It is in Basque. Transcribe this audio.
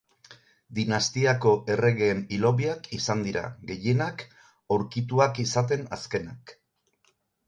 Dinastiako erregeen hilobiak izan dira, gehienak, aurkituak izaten azkenak.